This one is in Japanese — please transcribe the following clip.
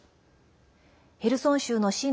ヘルソン州の親